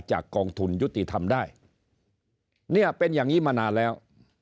กองทุนยุติธรรมได้เนี่ยเป็นอย่างนี้มานานแล้ว